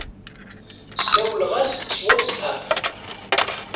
Sawleɣ-as s WhatsApp.